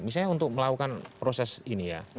misalnya untuk melakukan proses ini ya